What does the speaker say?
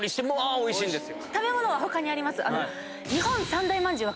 おいしいですよ。